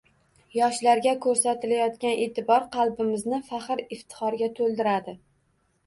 Yoshlarga ko‘rsatilayotgan e’tibor qalbimizni faxr-iftixorga to‘ldiradi